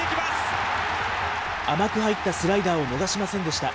甘く入ったスライダーを逃しませんでした。